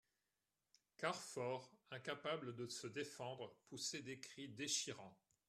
Carfor, incapable de se défendre, poussait des cris déchirants.